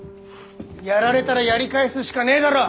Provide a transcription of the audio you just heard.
やられたらやり返すしかねえだろう？